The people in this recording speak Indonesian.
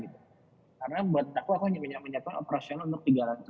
karena buat aku aku hanya menyiapkan operasional untuk tiga ratus sebelas